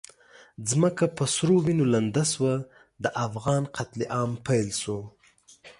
ځمکه په سرو وینو لنده شوه، د افغان قتل عام پیل شو.